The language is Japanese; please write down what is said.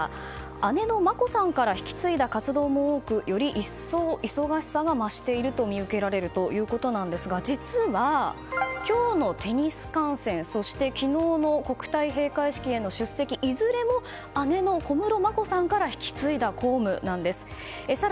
姉の眞子さんから引き継いだ活動も多くより一層忙しさが増していると見受けられるということですが実は、今日のテニス観戦そして昨日の国体閉会式への出席は、いずれも姉の小室眞子さんから引き継いだ公務なんです。